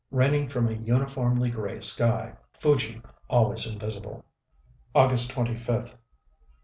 Raining from a uniformly grey sky. Fuji always invisible. August 25th.